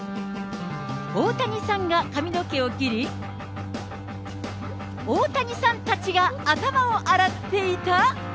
大谷さんが髪の毛を切り、大谷さんたちが頭を洗っていた。